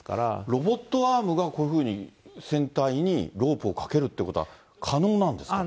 ロボットアームがこういうふうに、船体にロープをかけるっていうことは可能なんですか。